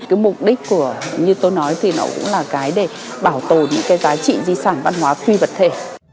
cái mục đích của như tôi nói thì nó cũng là cái để bảo tồn những cái giá trị di sản văn hóa phi vật thể